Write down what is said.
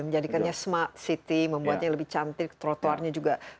menjadikannya smart city membuatnya lebih cantik trotoarnya juga